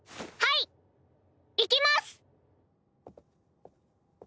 はい！いきます！